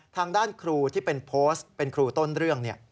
ทางด้านครูที่เป็นโพสต์เป็นครูต้นเรื่อง